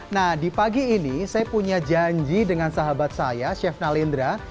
nah di pagi ini saya punya janji dengan sahabat saya chef nalindra